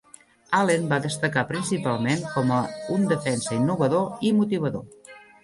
Allen va destacar principalment com a un defensa innovador i motivador.